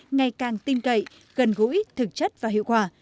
ngày càng tin cậy gần gũi thực chất và hiệu quả